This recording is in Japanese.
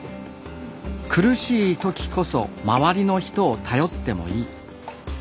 苦しい時こそ周りの人を頼ってもいい。